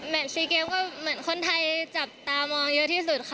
ซีเกมก็เหมือนคนไทยจับตามองเยอะที่สุดค่ะ